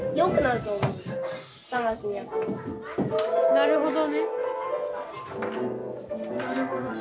なるほど。